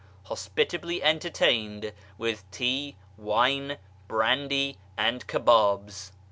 hospitably entertained with tea, wine, brandy, and kebdhs.